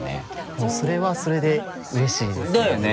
でもそれはそれでうれしいですだよね？